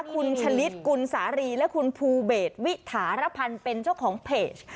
คุณชะลิดกุลสารีและคุณภูเบสวิถารพันธ์เป็นเจ้าของเพจ